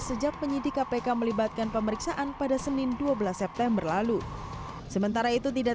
sejak penyidik kpk melibatkan pemeriksaan pada senin dua belas september lalu sementara itu tidak